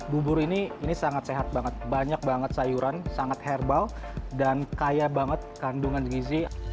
bubur ini sangat sehat banget banyak banget sayuran sangat herbal dan kaya banget kandungan gizi